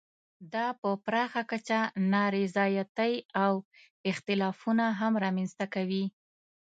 دا په پراخه کچه نا رضایتۍ او اختلافونه هم رامنځته کوي.